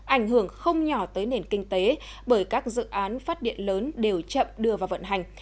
ảnh hưởng không nhỏ tới nền kinh tế bởi các dự án phát điện lớn đều chậm đưa vào vận hành